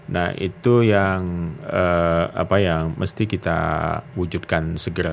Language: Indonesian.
nah itu yang apa yang mesti kita wujudkan segera